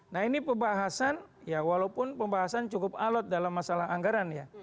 nah ini pembahasan ya walaupun pembahasan cukup alot dalam masalah anggaran ya